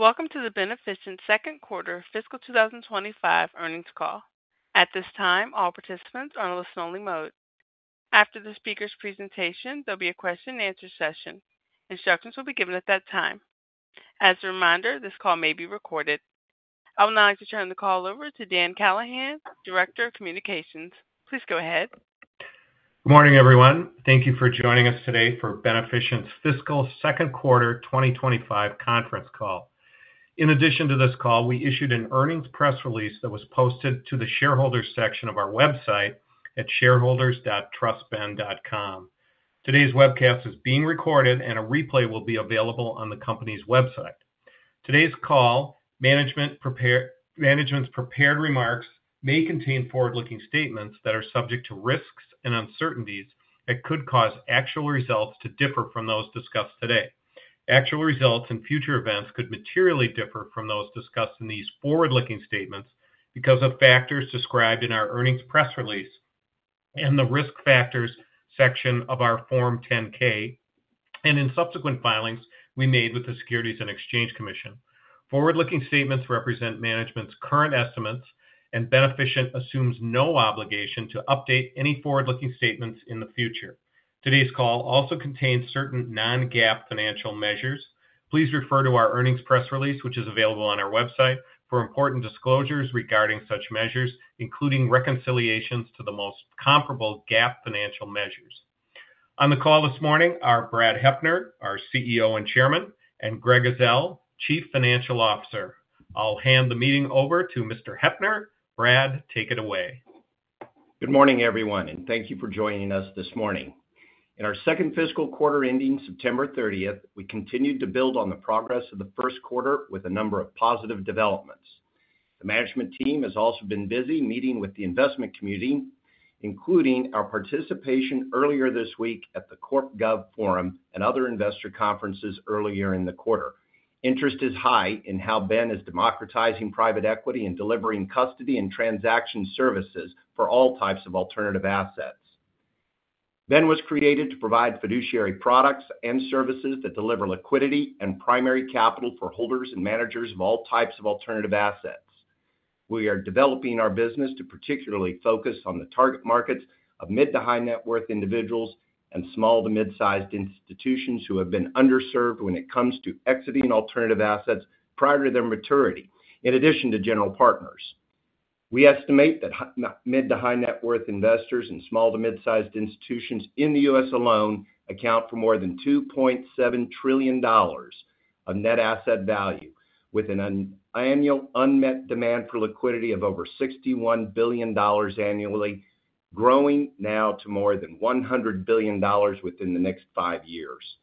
Welcome to the Beneficient Q2 Fiscal 2025 Earnings Call. At this time, all participants are on a listen-only mode. After the speaker's presentation, there'll be a question-and-answer session. Instructions will be given at that time. As a reminder, this call may be recorded. I would now like to turn the call over to Dan Callahan, Director of Communications. Please go ahead. Good morning, everyone. Thank you for joining us today for Beneficient's Fiscal Q2 2025 Conference Call. In addition to this call, we issued an earnings press release that was posted to the shareholders' section of our website at shareholders.trustben.com. Today's webcast is being recorded, and a replay will be available on the company's website. Today's call, management's prepared remarks may contain forward-looking statements that are subject to risks and uncertainties that could cause actual results to differ from those discussed today. Actual results and future events could materially differ from those discussed in these forward-looking statements because of factors described in our earnings press release and the risk factors section of our Form 10-K and in subsequent filings we made with the Securities and Exchange Commission. Forward-looking statements represent management's current estimates, and Beneficient assumes no obligation to update any forward-looking statements in the future. Today's call also contains certain non-GAAP financial measures. Please refer to our earnings press release, which is available on our website, for important disclosures regarding such measures, including reconciliations to the most comparable GAAP financial measures. On the call this morning, are Brad Heppner, our CEO and Chairman, and Greg Ezell, Chief Financial Officer. I'll hand the meeting over to Mr. Heppner. Brad, take it away. Good morning, everyone, and thank you for joining us this morning. In our second fiscal quarter ending September 30th, we continued to build on the progress of the Q1 with a number of positive developments. The management team has also been busy meeting with the investment community, including our participation earlier this week at the CorpGov Forum and other investor conferences earlier in the quarter. Interest is high in how Ben is democratizing private equity and delivering custody and transaction services for all types of alternative assets. Ben was created to provide fiduciary products and services that deliver liquidity and primary capital for holders and managers of all types of alternative assets. We are developing our business to particularly focus on the target markets of mid to high-net-worth individuals and small to mid-sized institutions who have been underserved when it comes to exiting alternative assets prior to their maturity, in addition to general partners. We estimate that mid to high-net-worth investors and small to mid-sized institutions in the U.S. alone account for more than $2.7 trillion of net asset value, with an annual unmet demand for liquidity of over $61 billion annually, growing now to more than $100 billion within the next five years.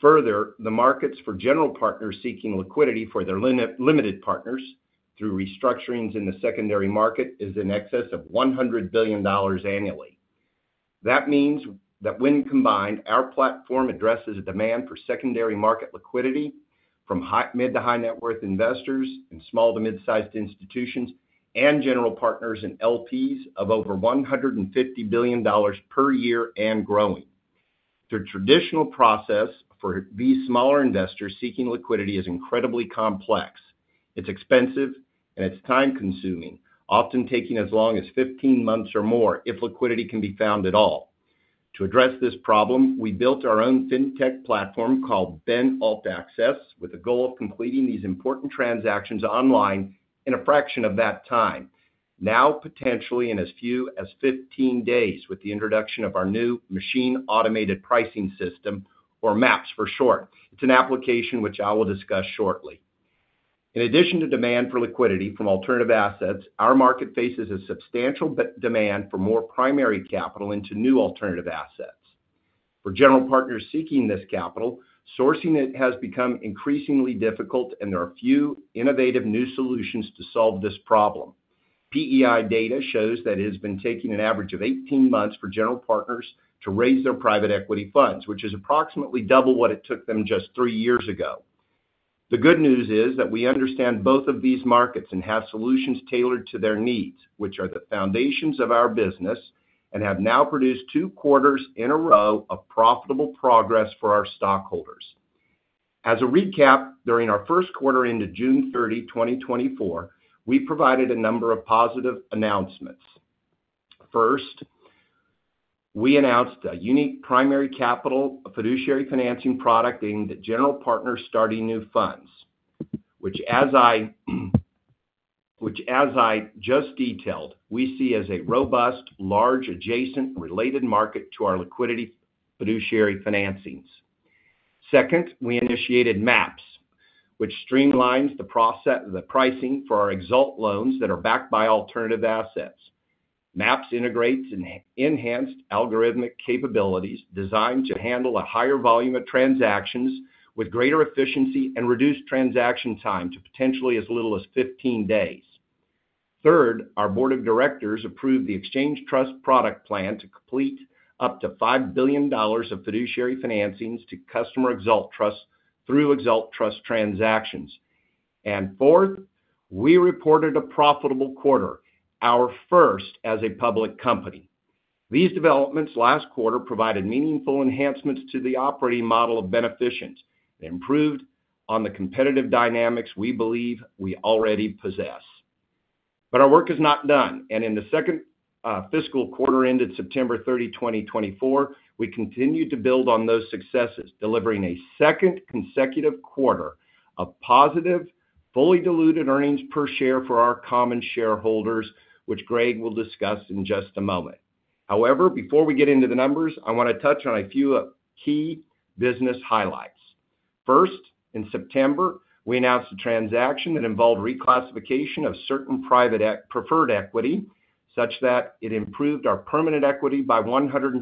Further, the markets for general partners seeking liquidity for their limited partners through restructurings in the secondary market is in excess of $100 billion annually. That means that when combined, our platform addresses a demand for secondary market liquidity from mid- to high-net-worth investors and small- to mid-sized institutions and general partners and LPs of over $150 billion per year and growing. The traditional process for these smaller investors seeking liquidity is incredibly complex. It's expensive and it's time-consuming, often taking as long as 15 months or more if liquidity can be found at all. To address this problem, we built our own fintech platform called Ben AltAccess with the goal of completing these important transactions online in a fraction of that time, now potentially in as few as 15 days with the introduction of our new machine-automated pricing system, or MAPS for short. It's an application which I will discuss shortly. In addition to demand for liquidity from alternative assets, our market faces a substantial demand for more primary capital into new alternative assets. For general partners seeking this capital, sourcing it has become increasingly difficult, and there are few innovative new solutions to solve this problem. PEI data shows that it has been taking an average of 18 months for general partners to raise their private equity funds, which is approximately double what it took them just three years ago. The good news is that we understand both of these markets and have solutions tailored to their needs, which are the foundations of our business and have now produced two quarters in a row of profitable progress for our stockholders. As a recap, during our Q1 into June 30, 2024, we provided a number of positive announcements. First, we announced a unique primary capital fiduciary financing product aimed at general partners starting new funds, which, as I just detailed, we see as a robust, large, adjacent, related market to our liquidity fiduciary financings. Second, we initiated MAPS, which streamlines the pricing for our ExAlt loans that are backed by alternative assets. MAPS integrates enhanced algorithmic capabilities designed to handle a higher volume of transactions with greater efficiency and reduced transaction time to potentially as little as 15 days. Third, our board of directors approved the Exchange Trust product plan to complete up to $5 billion of fiduciary financings to customer ExAlt trusts through Exalt trust transactions. And fourth, we reported a profitable quarter, our first as a public company. These developments last quarter provided meaningful enhancements to the operating model of Beneficient and improved on the competitive dynamics we believe we already possess. But our work is not done. And in the second fiscal quarter ended September 30, 2024, we continue to build on those successes, delivering a second consecutive quarter of positive, fully diluted earnings per share for our common shareholders, which Greg will discuss in just a moment. However, before we get into the numbers, I want to touch on a few key business highlights. First, in September, we announced a transaction that involved reclassification of certain private preferred equity such that it improved our permanent equity by $126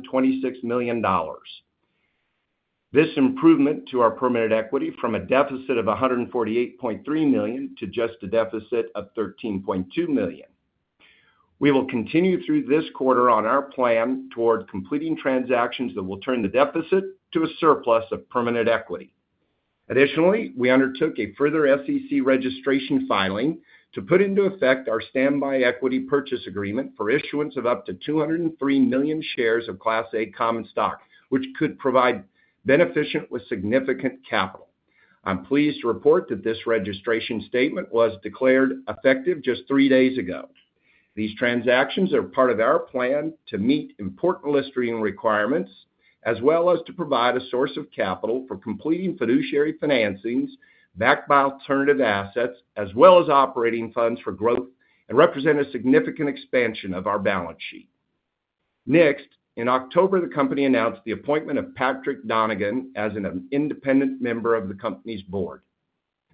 million. This improvement to our permanent equity from a deficit of $148.3 million to just a deficit of $13.2 million. We will continue through this quarter on our plan toward completing transactions that will turn the deficit to a surplus of permanent equity. Additionally, we undertook a further SEC registration filing to put into effect our standby equity purchase agreement for issuance of up to 203 million shares of Class A common stock, which could provide Beneficient with significant capital. I'm pleased to report that this registration statement was declared effective just three days ago. These transactions are part of our plan to meet important listing requirements as well as to provide a source of capital for completing fiduciary financings backed by alternative assets as well as operating funds for growth and represent a significant expansion of our balance sheet. Next, in October, the company announced the appointment of Patrick Donegan as an independent member of the company's board.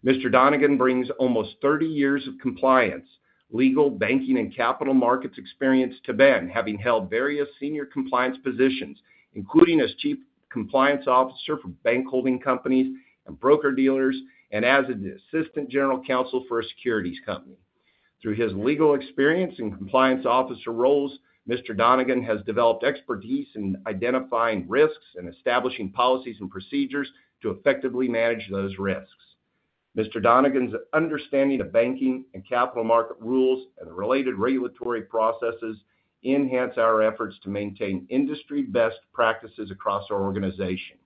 Mr. Donegan brings almost 30 years of compliance, legal, banking, and capital markets experience to Ben, having held various senior compliance positions, including as Chief Compliance Officer for bank-holding companies and broker-dealers and as an Assistant General Counsel for a securities company. Through his legal experience and compliance officer roles, Mr. Donegan has developed expertise in identifying risks and establishing policies and procedures to effectively manage those risks. Mr. Donegan's understanding of banking and capital market rules and the related regulatory processes enhance our efforts to maintain industry-best practices across our organization.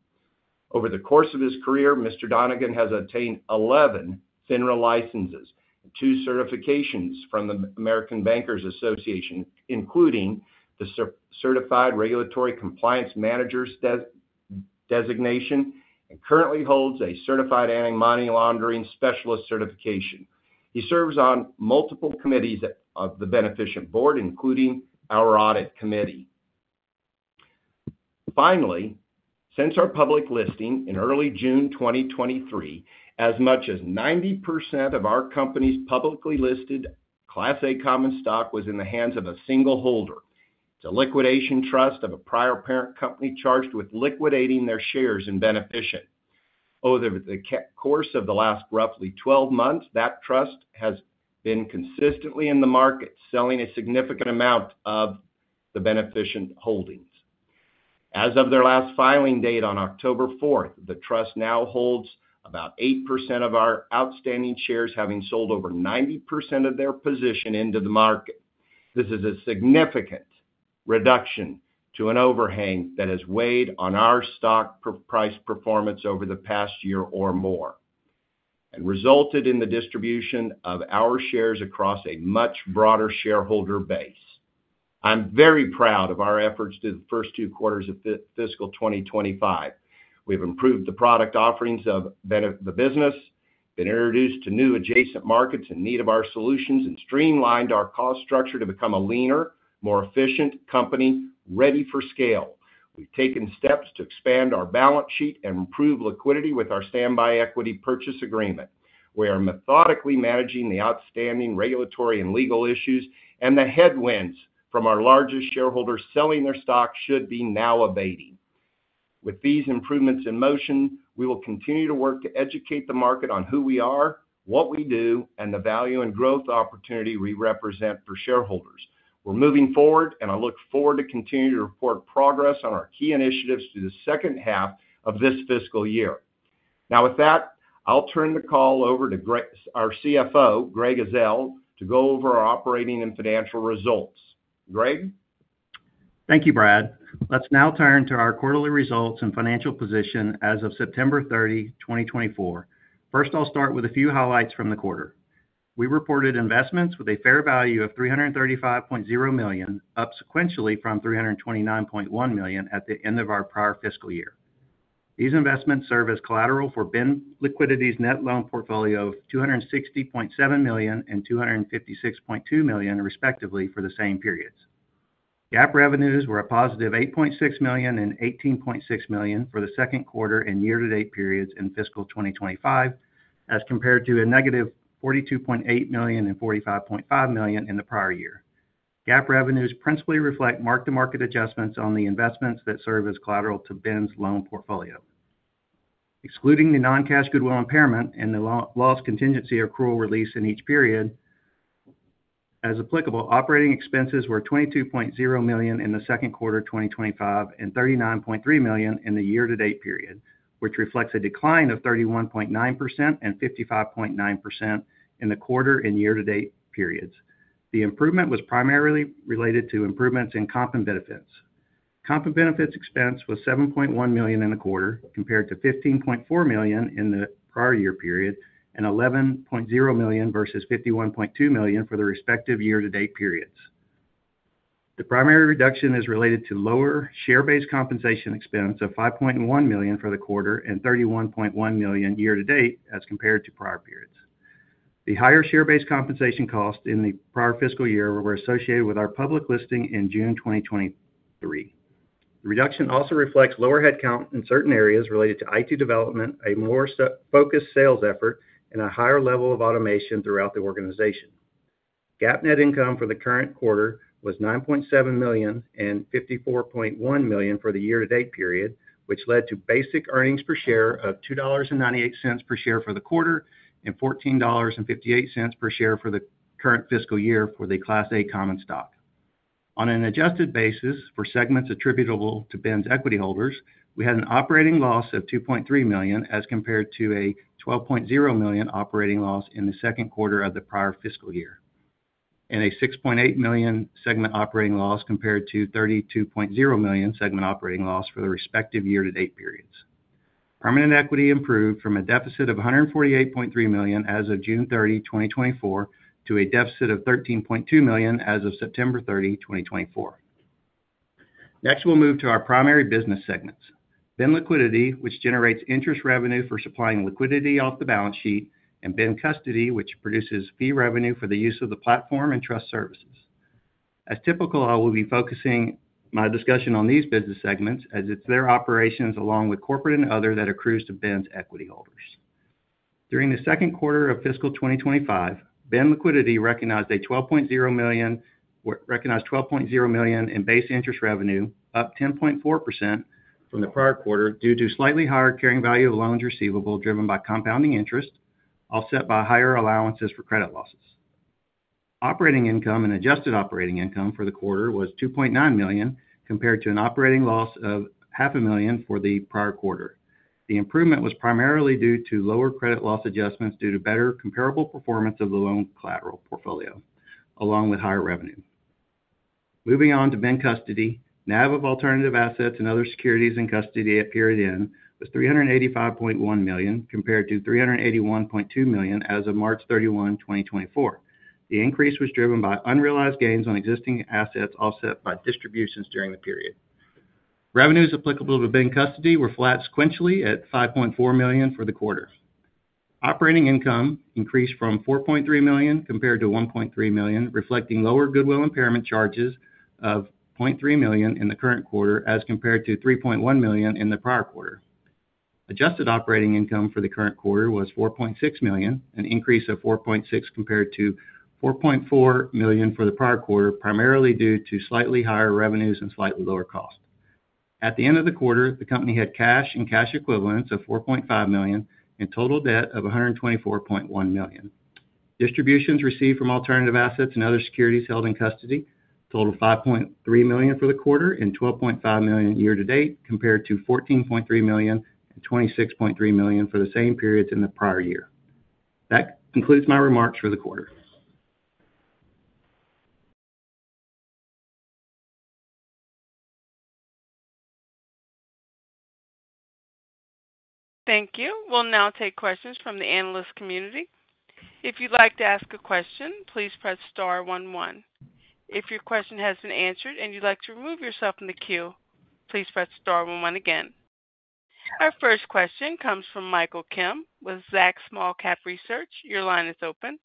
Over the course of his career, Mr. Donegan has obtained 11 FINRA licenses and two certifications from the American Bankers Association, including the Certified Regulatory Compliance Manager designation, and currently holds a Certified Anti-Money Laundering Specialist certification. He serves on multiple committees of the Beneficient Board, including our audit committee. Finally, since our public listing in early June 2023, as much as 90% of our company's publicly listed Class A Common Stock was in the hands of a single holder. It's a liquidation trust of a prior parent company charged with liquidating their shares in Beneficient. Over the course of the last roughly 12 months, that trust has been consistently in the market, selling a significant amount of the Beneficient holdings. As of their last filing date on October 4th, the trust now holds about 8% of our outstanding shares, having sold over 90% of their position into the market. This is a significant reduction to an overhang that has weighed on our stock price performance over the past year or more and resulted in the distribution of our shares across a much broader shareholder base. I'm very proud of our efforts through the first two quarters of fiscal 2025. We have improved the product offerings of the business, been introduced to new adjacent markets in need of our solutions, and streamlined our cost structure to become a leaner, more efficient company ready for scale. We've taken steps to expand our balance sheet and improve liquidity with our standby equity purchase agreement. We are methodically managing the outstanding regulatory and legal issues and the headwinds from our largest shareholders selling their stock should be now abating. With these improvements in motion, we will continue to work to educate the market on who we are, what we do, and the value and growth opportunity we represent for shareholders. We're moving forward, and I look forward to continuing to report progress on our key initiatives through the second half of this fiscal year. Now, with that, I'll turn the call over to our CFO, Greg Ezell, to go over our operating and financial results. Greg? Thank you, Brad. Let's now turn to our quarterly results and financial position as of September 30, 2024. First, I'll start with a few highlights from the quarter. We reported investments with a fair value of $335.0 million, up sequentially from $329.1 million at the end of our prior fiscal year. These investments serve as collateral for Ben Liquidity's net loan portfolio of $260.7 million and $256.2 million, respectively, for the same periods. GAAP revenues were a positive $8.6 million and $18.6 million for the Q2 and year-to-date periods in fiscal 2025, as compared to a negative $42.8 million and $45.5 million in the prior year. GAAP revenues principally reflect mark-to-market adjustments on the investments that serve as collateral to Ben's loan portfolio. Excluding the non-cash goodwill impairment and the loss contingency accrual release in each period, as applicable, operating expenses were $22.0 million in the Q2 of 2025 and $39.3 million in the year-to-date period, which reflects a decline of 31.9% and 55.9% in the quarter and year-to-date periods. The improvement was primarily related to improvements in comp and benefits. Comp and benefits expense was $7.1 million in the quarter, compared to $15.4 million in the prior year period and $11.0 million versus $51.2 million for the respective year-to-date periods. The primary reduction is related to lower share-based compensation expense of $5.1 million for the quarter and $31.1 million year-to-date as compared to prior periods. The higher share-based compensation costs in the prior fiscal year were associated with our public listing in June 2023. The reduction also reflects lower headcount in certain areas related to IT development, a more focused sales effort, and a higher level of automation throughout the organization. GAAP net income for the current quarter was $9.7 million and $54.1 million for the year-to-date period, which led to basic earnings per share of $2.98 per share for the quarter and $14.58 per share for the current fiscal year for the Class A common stock. On an adjusted basis for segments attributable to Ben's equity holders, we had an operating loss of $2.3 million as compared to a $12.0 million operating loss in the Q2 of the prior fiscal year and a $6.8 million segment operating loss compared to $32.0 million segment operating loss for the respective year-to-date periods. Permanent equity improved from a deficit of $148.3 million as of June 30, 2024, to a deficit of $13.2 million as of September 30, 2024. Next, we'll move to our primary business segments: Ben Liquidity, which generates interest revenue for supplying liquidity off the balance sheet, and Ben Custody, which produces fee revenue for the use of the platform and trust services. As typical, I will be focusing my discussion on these business segments as it's their operations along with corporate and other that accrues to Ben's equity holders. During the Q2 of fiscal 2025, Ben Liquidity recognized $12.0 million in base interest revenue, up 10.4% from the prior quarter due to slightly higher carrying value of loans receivable driven by compounding interest, offset by higher allowances for credit losses. Operating income and adjusted operating income for the quarter was $2.9 million compared to an operating loss of $500,000 for the prior quarter. The improvement was primarily due to lower credit loss adjustments due to better comparable performance of the loan collateral portfolio, along with higher revenue. Moving on to Ben Custody, NAV of alternative assets and other securities in custody at period end was $385.1 million compared to $381.2 million as of March 31, 2024. The increase was driven by unrealized gains on existing assets offset by distributions during the period. Revenues applicable to Ben Custody were flat sequentially at $5.4 million for the quarter. Operating income increased from $4.3 million compared to $1.3 million, reflecting lower goodwill impairment charges of $0.3 million in the current quarter as compared to $3.1 million in the prior quarter. Adjusted operating income for the current quarter was $4.6 million, an increase of $4.6 million compared to $4.4 million for the prior quarter, primarily due to slightly higher revenues and slightly lower cost. At the end of the quarter, the company had cash and cash equivalents of $4.5 million and total debt of $124.1 million. Distributions received from alternative assets and other securities held in custody totaled $5.3 million for the quarter and $12.5 million year-to-date compared to $14.3 million and $26.3 million for the same periods in the prior year. That concludes my remarks for the quarter. Thank you. We'll now take questions from the analyst community. If you'd like to ask a question, please press star 11. If your question has been answered and you'd like to remove yourself from the queue, please press star 11 again. Our first question comes from Michael Kim with Zacks Small-Cap Research. Your line is open.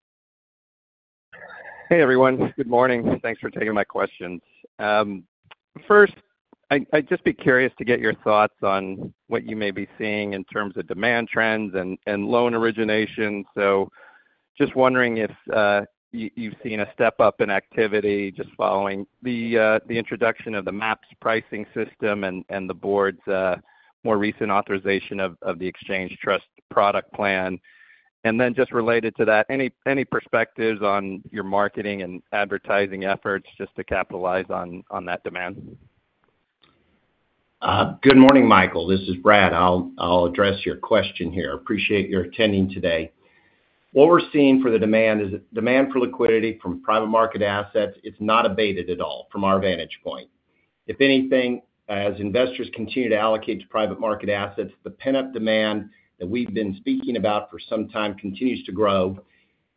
Hey, everyone. Good morning. Thanks for taking my questions. First, I'd just be curious to get your thoughts on what you may be seeing in terms of demand trends and loan origination. So just wondering if you've seen a step up in activity just following the introduction of the MAPS pricing system and the board's more recent authorization of the Exchange Trust product plan? And then just related to that, any perspectives on your marketing and advertising efforts just to capitalize on that demand? Good morning, Michael. This is Brad. I'll address your question here. Appreciate your attending today. What we're seeing for the demand is demand for liquidity from private market assets. It's not abated at all from our vantage point. If anything, as investors continue to allocate to private market assets, the pent-up demand that we've been speaking about for some time continues to grow,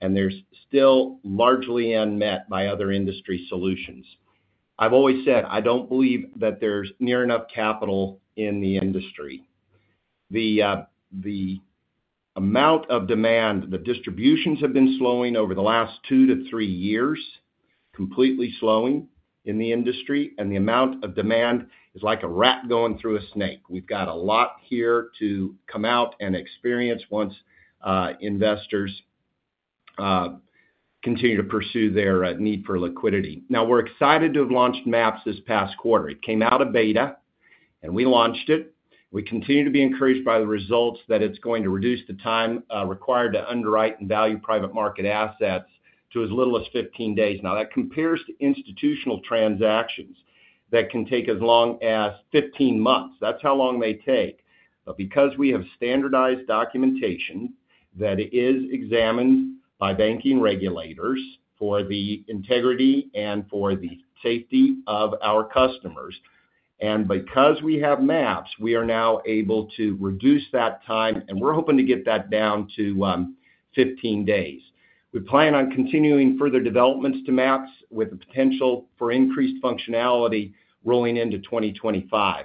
and they're still largely unmet by other industry solutions. I've always said I don't believe that there's near enough capital in the industry. The amount of demand, the distributions have been slowing over the last two to three years, completely slowing in the industry, and the amount of demand is like a rat going through a snake. We've got a lot here to come out and experience once investors continue to pursue their need for liquidity. Now, we're excited to have launched MAPS this past quarter. It came out of beta, and we launched it. We continue to be encouraged by the results that it's going to reduce the time required to underwrite and value private market assets to as little as 15 days. Now, that compares to institutional transactions that can take as long as 15 months. That's how long they take. But because we have standardized documentation that it is examined by banking regulators for the integrity and for the safety of our customers, and because we have MAPS, we are now able to reduce that time, and we're hoping to get that down to 15 days. We plan on continuing further developments to MAPS with the potential for increased functionality rolling into 2025.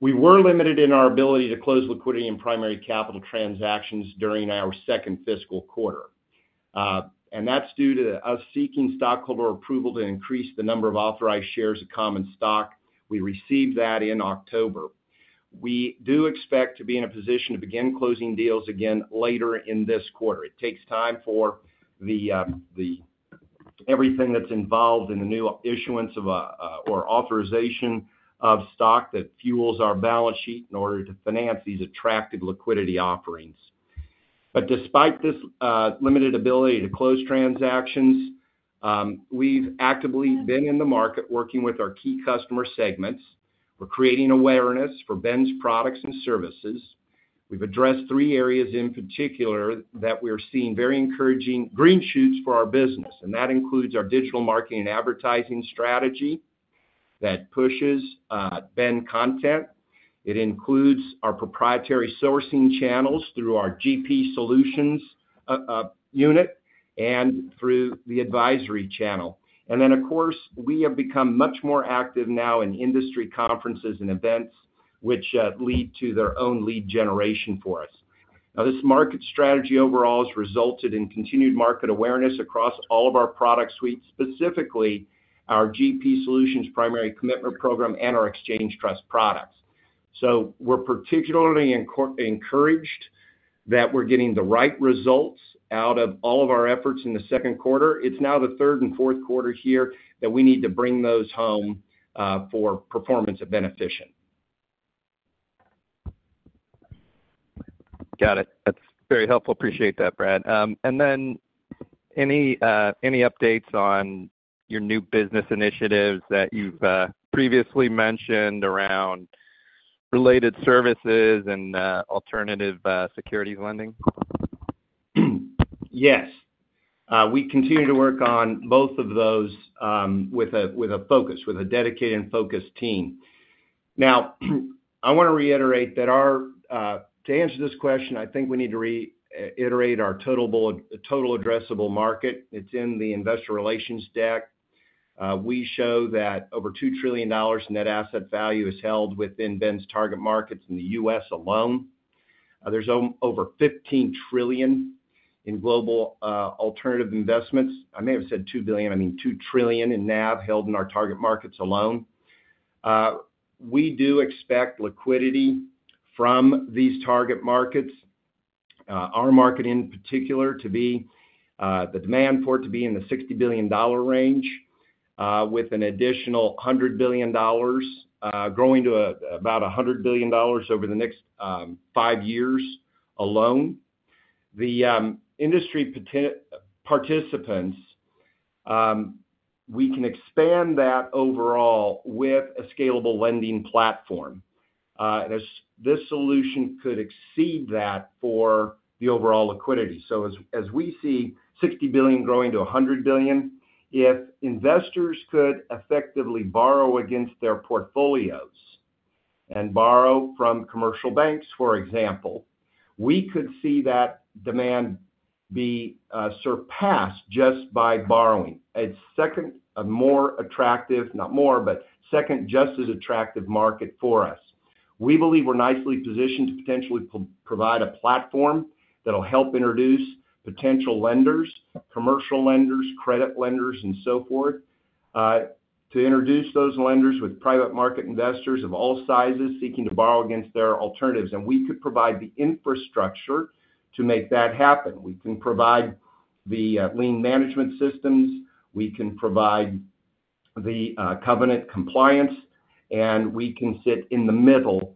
We were limited in our ability to close liquidity and primary capital transactions during our second fiscal quarter, and that's due to us seeking stockholder approval to increase the number of authorized shares of common stock. We received that in October. We do expect to be in a position to begin closing deals again later in this quarter. It takes time for everything that's involved in the new issuance of or authorization of stock that fuels our balance sheet in order to finance these attractive liquidity offerings. But despite this limited ability to close transactions, we've actively been in the market working with our key customer segments. We're creating awareness for Ben's products and services. We've addressed three areas in particular that we are seeing very encouraging green shoots for our business, and that includes our digital marketing and advertising strategy that pushes Ben content. It includes our proprietary sourcing channels through our GP Solutions unit and through the advisory channel. And then, of course, we have become much more active now in industry conferences and events, which lead to their own lead generation for us. Now, this market strategy overall has resulted in continued market awareness across all of our product suites, specifically our GP Solutions primary commitment program and our Exchange Trust products. So we're particularly encouraged that we're getting the right results out of all of our efforts in the second quarter. It's now the third and Q4 here that we need to bring those home for performance of Beneficient. Got it. That's very helpful. Appreciate that, Brad. And then any updates on your new business initiatives that you've previously mentioned around related services and alternative securities lending? Yes. We continue to work on both of those with a focus, with a dedicated and focused team. Now, I want to reiterate that our to answer this question, I think we need to reiterate our total addressable market. It's in the investor relations deck. We show that over $2 trillion net asset value is held within Ben's target markets in the U.S. alone. There's over $15 trillion in global alternative investments. I may have said $2 billion. I mean $2 trillion in NAV held in our target markets alone. We do expect liquidity from these target markets, our market in particular, to be the demand for it to be in the $60 billion range, with an additional $100 billion growing to about $100 billion over the next five years alone. The industry participants, we can expand that overall with a scalable lending platform. This solution could exceed that for the overall liquidity, so as we see $60 billion growing to $100 billion, if investors could effectively borrow against their portfolios and borrow from commercial banks, for example, we could see that demand be surpassed just by borrowing. A second, a more attractive, not more, but second just as attractive market for us. We believe we're nicely positioned to potentially provide a platform that'll help introduce potential lenders, commercial lenders, credit lenders, and so forth, to introduce those lenders with private market investors of all sizes seeking to borrow against their alternatives, and we could provide the infrastructure to make that happen. We can provide the lien management systems. We can provide the covenant compliance, and we can sit in the middle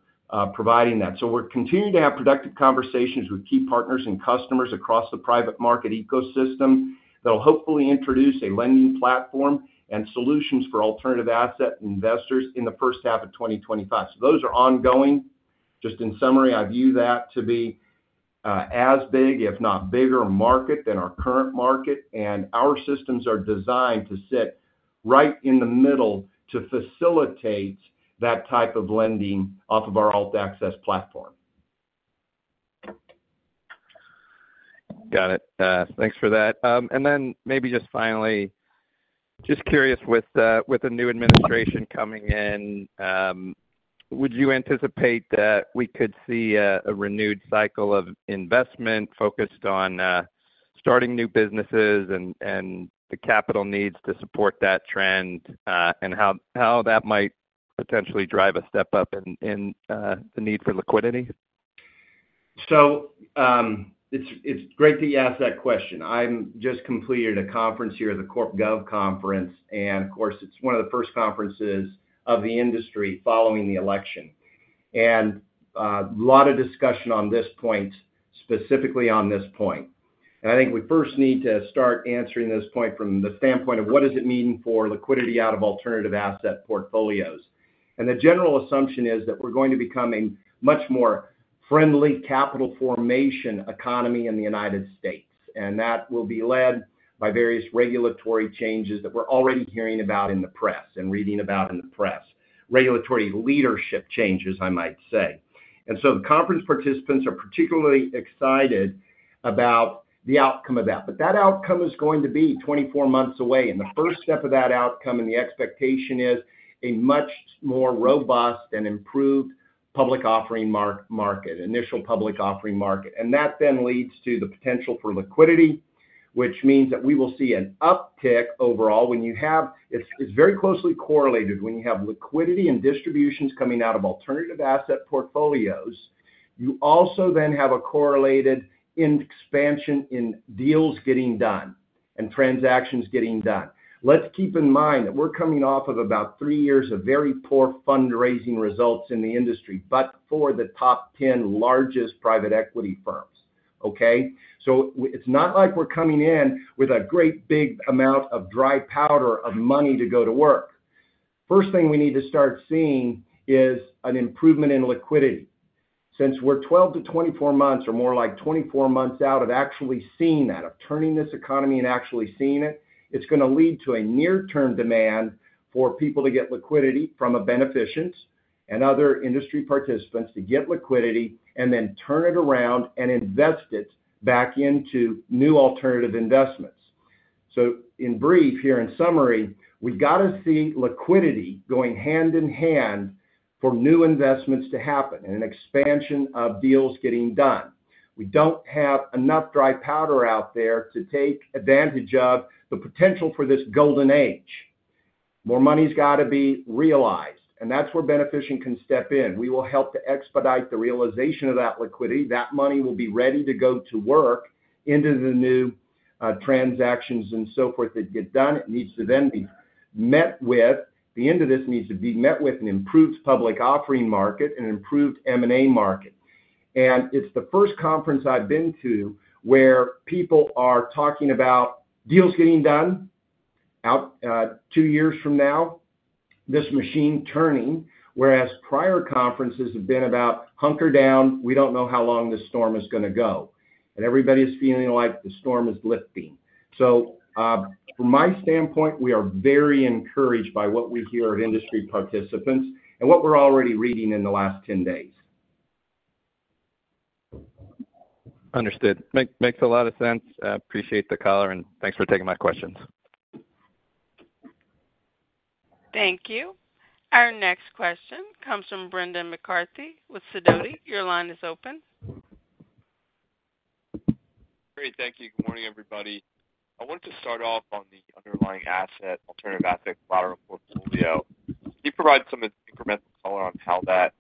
providing that. So we're continuing to have productive conversations with key partners and customers across the private market ecosystem that'll hopefully introduce a lending platform and solutions for alternative asset investors in the first half of 2025. So those are ongoing. Just in summary, I view that to be as big, if not bigger, market than our current market. And our systems are designed to sit right in the middle to facilitate that type of lending off of our alt access platform. Got it. Thanks for that. And then maybe just finally, just curious with the new administration coming in, would you anticipate that we could see a renewed cycle of investment focused on starting new businesses and the capital needs to support that trend and how that might potentially drive a step up in the need for liquidity? So it's great that you asked that question. I'm just completed a conference here, the CorpGov conference, and of course, it's one of the first conferences of the industry following the election. And a lot of discussion on this point, specifically on this point. And I think we first need to start answering this point from the standpoint of what does it mean for liquidity out of alternative asset portfolios. And the general assumption is that we're going to become a much more friendly capital formation economy in the United States. And that will be led by various regulatory changes that we're already hearing about in the press and reading about in the press, regulatory leadership changes, I might say. And so the conference participants are particularly excited about the outcome of that. But that outcome is going to be 24 months away. The first step of that outcome and the expectation is a much more robust and improved public offering market, initial public offering market. That then leads to the potential for liquidity, which means that we will see an uptick overall. When you have, it's very closely correlated. When you have liquidity and distributions coming out of alternative asset portfolios, you also then have a correlated expansion in deals getting done and transactions getting done. Let's keep in mind that we're coming off of about three years of very poor fundraising results in the industry, but for the top 10 largest private equity firms. Okay? So it's not like we're coming in with a great big amount of dry powder of money to go to work. First thing we need to start seeing is an improvement in liquidity. Since we're 12-24 months or more like 24 months out of actually seeing that, of turning this economy and actually seeing it, it's going to lead to a near-term demand for people to get liquidity from a Beneficient and other industry participants to get liquidity and then turn it around and invest it back into new alternative investments. So in brief, here in summary, we've got to see liquidity going hand in hand for new investments to happen and an expansion of deals getting done. We don't have enough dry powder out there to take advantage of the potential for this golden age. More money's got to be realized. And that's where Beneficient can step in. We will help to expedite the realization of that liquidity. That money will be ready to go to work into the new transactions and so forth that get done. It needs to then be met with the end of this, an improved public offering market and an improved M&A market. And it's the first conference I've been to where people are talking about deals getting done two years from now, this machine turning, whereas prior conferences have been about hunker down, we don't know how long this storm is going to go. And everybody is feeling like the storm is lifting. So from my standpoint, we are very encouraged by what we hear of industry participants and what we're already reading in the last 10 days. Understood. Makes a lot of sense. Appreciate the caller, and thanks for taking my questions. Thank you. Our next question comes from Brendan McCarthy with Sidoti. Your line is open. Great. Thank you. Good morning, everybody. I wanted to start off on the underlying asset, alternative asset collateral portfolio. Can you provide some incremental color on how that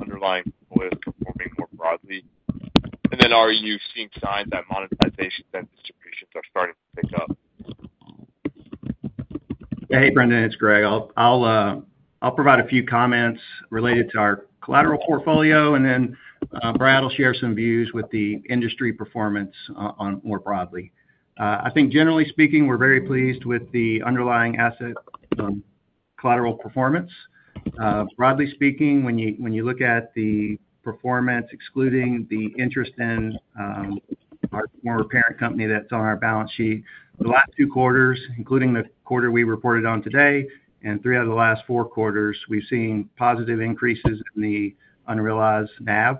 underlying portfolio is performing more broadly? And then are you seeing signs that monetization and distributions are starting to pick up? Hey, Brendan. It's Greg. I'll provide a few comments related to our collateral portfolio, and then Brad will share some views with the industry performance more broadly. I think generally speaking, we're very pleased with the underlying asset collateral performance. Broadly speaking, when you look at the performance, excluding the interest in our former parent company that's on our balance sheet, the last two quarters, including the quarter we reported on today and three out of the last four quarters, we've seen positive increases in the unrealized NAV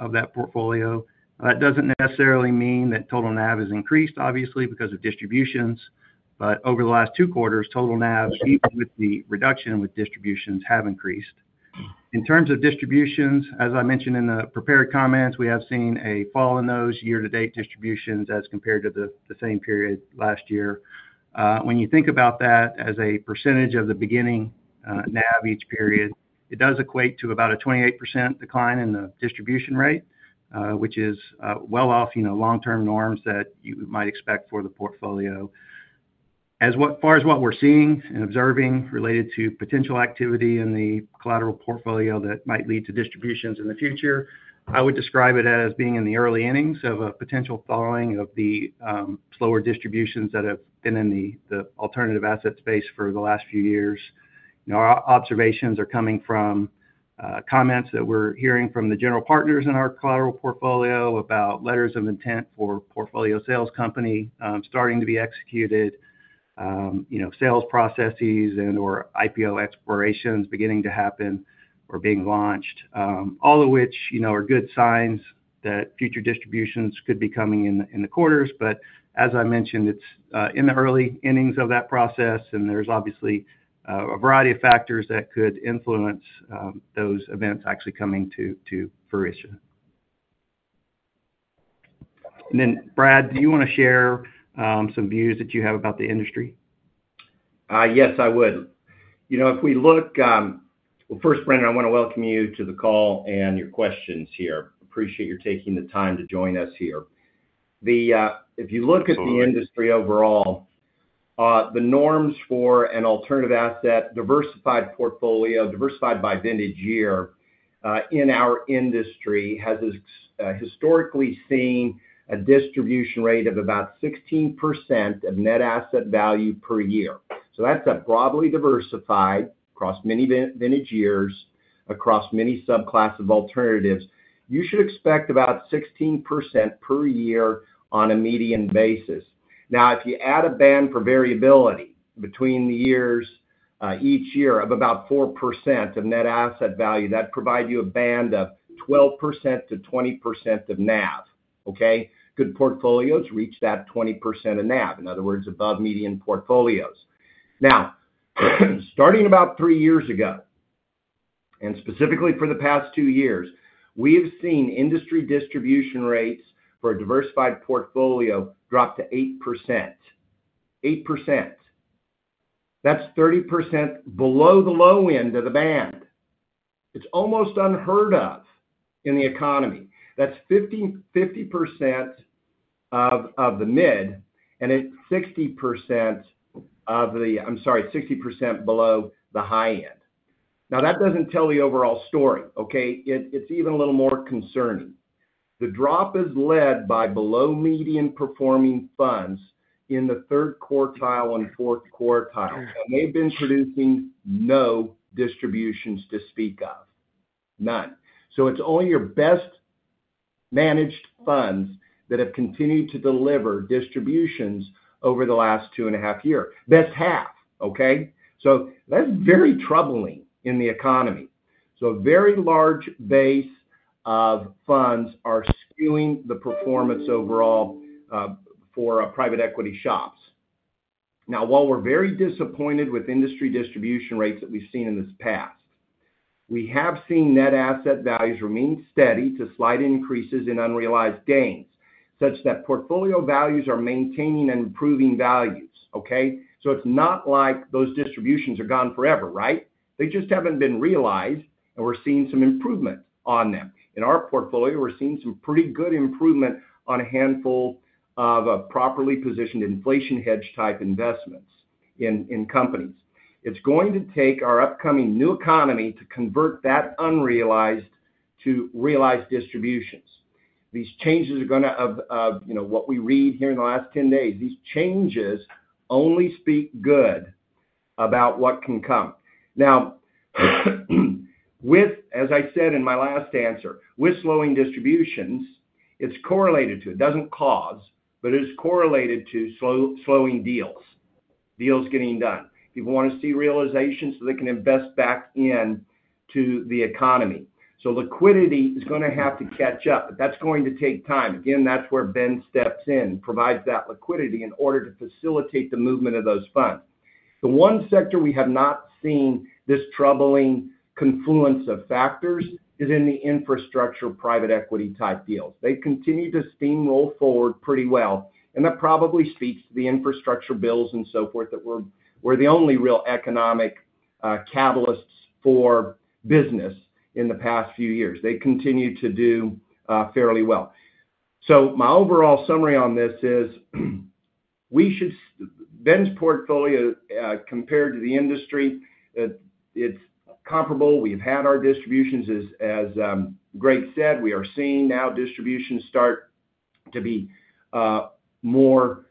of that portfolio. That doesn't necessarily mean that total NAV has increased, obviously, because of distributions. But over the last two quarters, total NAV, even with the reduction with distributions, have increased. In terms of distributions, as I mentioned in the prepared comments, we have seen a fall in those year-to-date distributions as compared to the same period last year. When you think about that as a percentage of the beginning NAV each period, it does equate to about a 28% decline in the distribution rate, which is well off long-term norms that you might expect for the portfolio. As far as what we're seeing and observing related to potential activity in the collateral portfolio that might lead to distributions in the future, I would describe it as being in the early innings of a potential following of the slower distributions that have been in the alternative asset space for the last few years. Our observations are coming from comments that we're hearing from the general partners in our collateral portfolio about letters of intent for portfolio company sales starting to be executed, sales processes and/or IPO explorations beginning to happen or being launched, all of which are good signs that future distributions could be coming in the quarters. But as I mentioned, it's in the early innings of that process, and there's obviously a variety of factors that could influence those events actually coming to fruition. And then Brad, do you want to share some views that you have about the industry? Yes, I would. If we look well, first, Brendan, I want to welcome you to the call and your questions here. Appreciate your taking the time to join us here. If you look at the industry overall, the norms for an alternative asset diversified portfolio, diversified by vintage year in our industry has historically seen a distribution rate of about 16% of net asset value per year. So that's a broadly diversified across many vintage years, across many subclasses of alternatives. You should expect about 16% per year on a median basis. Now, if you add a band for variability between the years, each year of about 4% of net asset value, that provides you a band of 12%-20% of NAV. Okay? Good portfolios reach that 20% of NAV, in other words, above median portfolios. Now, starting about three years ago, and specifically for the past two years, we have seen industry distribution rates for a diversified portfolio drop to 8%. 8%. That's 30% below the low end of the band. It's almost unheard of in the economy. That's 50% of the mid and 60% of the. I'm sorry, 60% below the high end. Now, that doesn't tell the overall story. Okay? It's even a little more concerning. The drop is led by below median performing funds in the third quartile and fourth quartile. And they've been producing no distributions to speak of. None. So it's only your best managed funds that have continued to deliver distributions over the last two and a half years. Best half. Okay? So that's very troubling in the economy. So a very large base of funds are skewing the performance overall for private equity shops. Now, while we're very disappointed with industry distribution rates that we've seen in this past, we have seen net asset values remain steady to slight increases in unrealized gains such that portfolio values are maintaining and improving values. Okay? So it's not like those distributions are gone forever, right? They just haven't been realized, and we're seeing some improvement on them. In our portfolio, we're seeing some pretty good improvement on a handful of properly positioned inflation hedge type investments in companies. It's going to take our upcoming new economy to convert that unrealized to realized distributions. These changes are going to what we read here in the last 10 days. These changes only speak good about what can come. Now, as I said in my last answer, with slowing distributions, it's correlated to it, doesn't cause, but it is correlated to slowing deals, deals getting done. People want to see realizations so they can invest back into the economy. So liquidity is going to have to catch up. That's going to take time. Again, that's where Ben steps in, provides that liquidity in order to facilitate the movement of those funds. The one sector we have not seen this troubling confluence of factors is in the infrastructure private equity type deals. They continue to steamroll forward pretty well. And that probably speaks to the infrastructure bills and so forth that were the only real economic catalysts for business in the past few years. They continue to do fairly well. So my overall summary on this is Ben's portfolio compared to the industry, it's comparable. We've had our distributions, as Greg said, we are seeing now distributions start to be more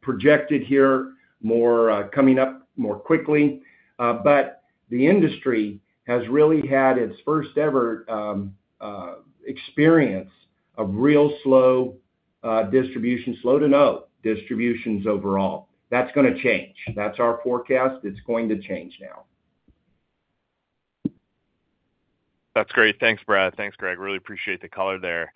projected here, more coming up more quickly. But the industry has really had its first-ever experience of real slow distributions, slow to no distributions overall. That's going to change. That's our forecast. It's going to change now. That's great. Thanks, Brad. Thanks, Greg. Really appreciate the color there.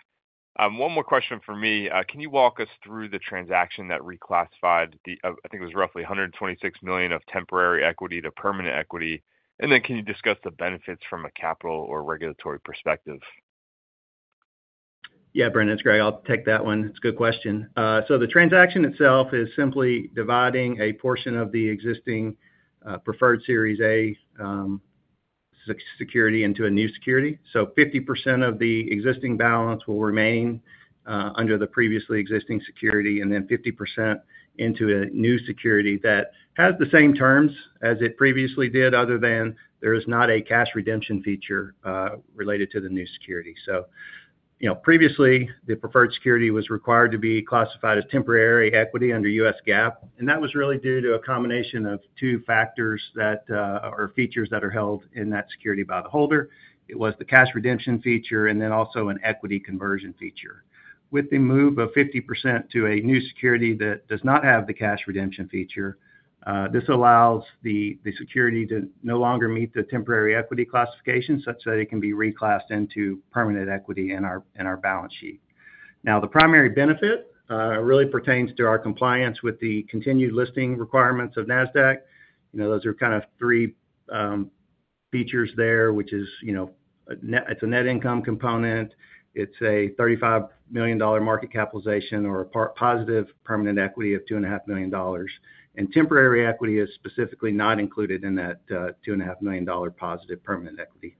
One more question for me. Can you walk us through the transaction that reclassified the, I think it was roughly $126 million of temporary equity to permanent equity? And then can you discuss the benefits from a capital or regulatory perspective? Yeah, Brendan. It's Greg. I'll take that one. It's a good question. So the transaction itself is simply dividing a portion of the existing preferred Series A security into a new security. So 50% of the existing balance will remain under the previously existing security and then 50% into a new security that has the same terms as it previously did, other than there is not a cash redemption feature related to the new security. So previously, the preferred security was required to be classified as temporary equity under U.S. GAAP. And that was really due to a combination of two factors that are features held in that security by the holder. It was the cash redemption feature and then also an equity conversion feature. With the move of 50% to a new security that does not have the cash redemption feature, this allows the security to no longer meet the temporary equity classification such that it can be reclassed into permanent equity in our balance sheet. Now, the primary benefit really pertains to our compliance with the continued listing requirements of Nasdaq. Those are kind of three features there, which is, it's a net income component. It's a $35 million market capitalization or a positive permanent equity of $2.5 million, and temporary equity is specifically not included in that $2.5 million positive permanent equity.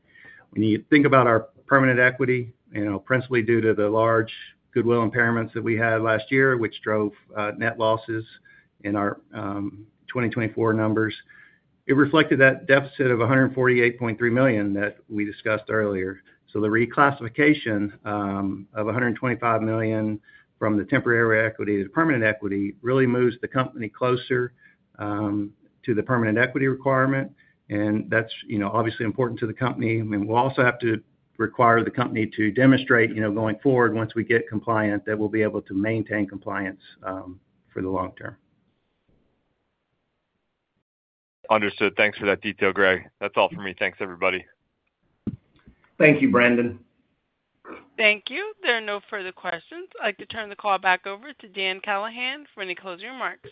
When you think about our permanent equity, principally due to the large goodwill impairments that we had last year, which drove net losses in our 2024 numbers, it reflected that deficit of $148.3 million that we discussed earlier. So the reclassification of $125 million from the Temporary Equity to Permanent Equity really moves the company closer to the permanent equity requirement. And that's obviously important to the company. And we'll also have to require the company to demonstrate going forward once we get compliant that we'll be able to maintain compliance for the long term. Understood. Thanks for that detail, Greg. That's all for me. Thanks, everybody. Thank you, Brendan. Thank you. There are no further questions. I'd like to turn the call back over to Dan Callahan for any closing remarks.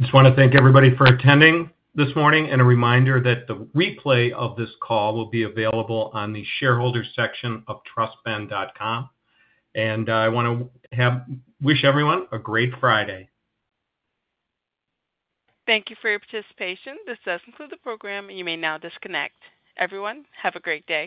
Just want to thank everybody for attending this morning and a reminder that the replay of this call will be available on the shareholders section of trustben.com. And I want to wish everyone a great Friday. Thank you for your participation. This does conclude the program, and you may now disconnect. Everyone, have a great day.